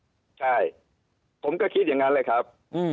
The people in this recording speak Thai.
ใช่ผมก็คิดอย่างนั้นเลยครับ